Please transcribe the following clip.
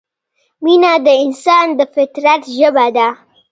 مینه د انسان د فطرت ژبه ده.